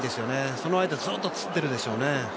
その間、ずっとつってるでしょうね。